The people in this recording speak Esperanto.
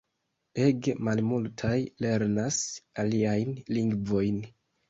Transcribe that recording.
Ege malmultaj lernas aliajn lingvojn.